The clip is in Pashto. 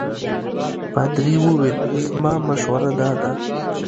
پادري وویل زما مشوره دا ده.